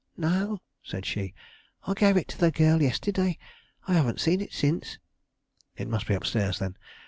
"No," said she; "I gave it to the girl yesterday; I haven't seen it since." "It must be up stairs, then.